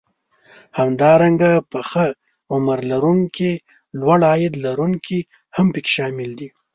همدارنګه پخه عمر لرونکي لوړ عاید لرونکي هم پکې شامل دي